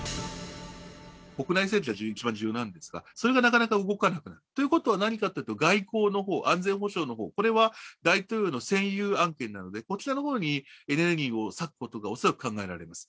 国内政治が一番重要なんですが、それがなかなか動かなくなるということは何かというと、外交のほう、これは安全保障のほう、これは大統領の専有案件なので、こちらのほうにエネルギーを割くことが恐らく考えられます。